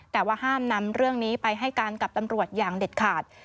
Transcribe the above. แต่ว่าห้ามนำเรื่องนี้ไปให้การกับตำรวจอย่างเด็ดขาด